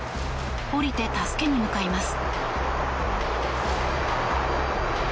降りて助けに向かいます。